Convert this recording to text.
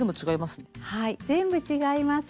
はい全部違います。